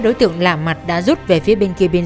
đối tượng khai nhận